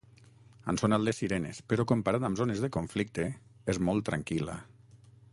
Han sonat les sirenes, però comparat amb zones de conflicte, és molt tranquil·la.